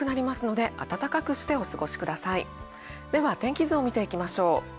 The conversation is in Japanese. では、天気図を見ていきましょう。